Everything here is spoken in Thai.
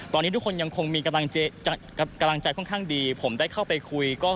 ตอนนี้ทุกคนยังคงมีกำลังใจค่อนข้างดีผมได้เข้าไปคุย